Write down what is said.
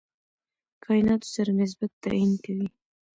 کایناتو سره نسبت تعیین کوي.